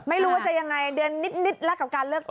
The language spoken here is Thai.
ไม่รู้ว่าจะยังไงเดือนนิดละกับการเลือกตั้ง